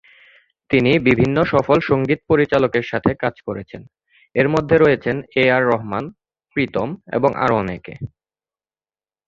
তিনি বিভিন্ন সফল সঙ্গীত পরিচালকের সাথে কাজ করেছেন এর মধ্যে রয়েছেন এ আর রহমান, প্রীতম এবং আরো অনেকে।